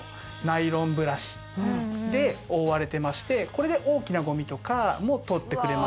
ナイロンブラシで覆われてましてこれで大きなゴミとかも取ってくれますし。